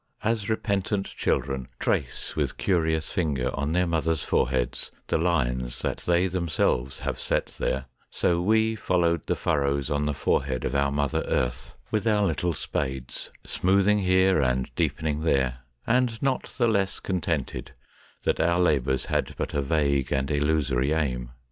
As repentant children trace with curious finger on their mother's foreheads the lines that they them selves have set there, so we followed the furrows on the forehead of our mother Earth with our little spades, smoothing here and deepening there, and not the less contented that our labours had but a vague and illusory aim.